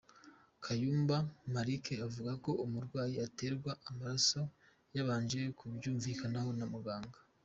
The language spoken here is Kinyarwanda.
Kayumba Malick avuga ko umurwayi aterwa amaraso yabanje kubyumvikanaho na muganga.